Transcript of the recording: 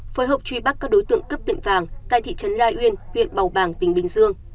phối hợp truy bắt các đối tượng cướp tiệm vàng tại thị trấn lai uyên huyện bầu bàng tỉnh bình dương